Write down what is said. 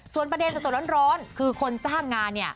ส่วนประเด็นส่วนร้อนคือคนจ้างงานเนี่ย